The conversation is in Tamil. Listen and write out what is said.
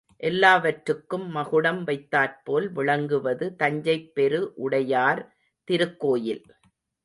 எல்லாவற்றுக்கும் மகுடம் வைத்தாற்போல் விளங்குவது தஞ்சைப் பெரு உடையார் திருக்கோயில்.